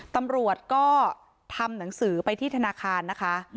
ตำรวจก็ทำหนังสือไปที่ธนาคารนะคะ